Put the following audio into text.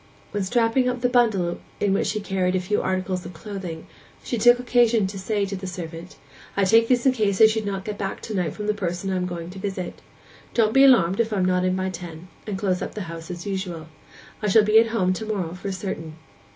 When strapping up the bundle in which she carried a few articles of clothing, she took occasion to say to the servant, 'I take these in case I should not get back to night from the person I am going to visit. Don't be alarmed if I am not in by ten, and close up the house as usual. I shall be at home to morrow for certain.